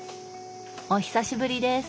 お久しぶりです！